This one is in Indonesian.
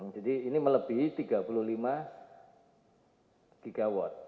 jadi ini melebih tiga puluh lima gigawatt